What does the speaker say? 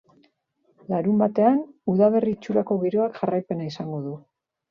Larunbatean udaberri itxurako giroak jarraipena izango du.